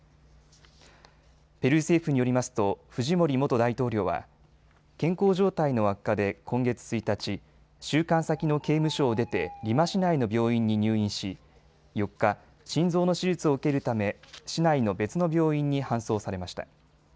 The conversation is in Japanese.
ペルー政府によりますとフジモリ元大統領は健康状態の悪化で今月１日、収監先の刑務所を出てリマ市内の病院に入院し４日、心臓の手術を受けるため市内の別の病院に搬送されました。